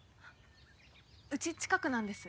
うち近くなんです。